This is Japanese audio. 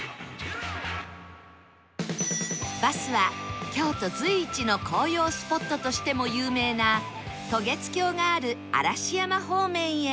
バスは京都随一の紅葉スポットとしても有名な渡月橋がある嵐山方面へ